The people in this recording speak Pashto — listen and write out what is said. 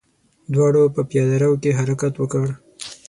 دواړو په پياده رو کې حرکت وکړ.